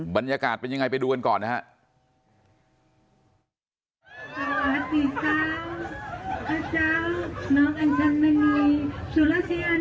บรรยากาศเป็นยังไงไปดูกันก่อนนะครับ